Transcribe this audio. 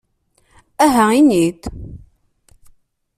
Aha ini-d!